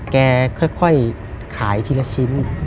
แกค่อยขายทีละชิ้น